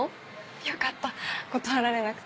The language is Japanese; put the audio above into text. よかった断られなくて。